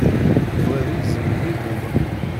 Tebɣiḍ iẓem n yigumma?